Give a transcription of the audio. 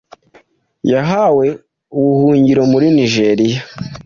yahawe ubuhungiro muri Nijeriya